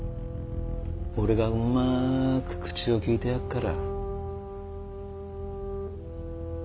俺がうまく口を利いてやっから。